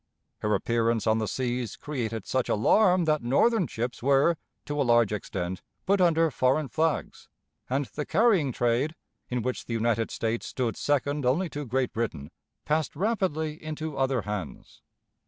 Her appearance on the seas created such alarm that Northern ships were, to a large extent, put under foreign flags, and the carrying trade, in which the United States stood second only to Great Britain, passed rapidly into other hands.